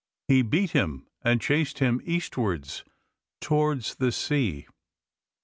He beat him and chased him eastwards towards the sea.